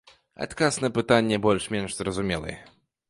Адказ на пытанне больш-менш зразумелы.